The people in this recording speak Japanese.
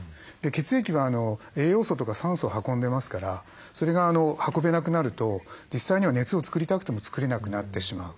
血液は栄養素とか酸素を運んでますからそれが運べなくなると実際には熱を作りたくても作れなくなってしまう。